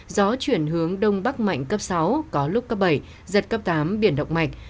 gió chuyển hướng đông bắc mạnh cấp sáu có lúc cấp bảy giật cấp tám biển động mạnh